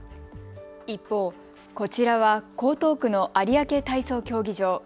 一方、こちらは江東区の有明体操競技場。